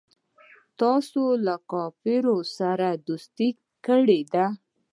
تاسو له کفارو سره دوستي کړې ده.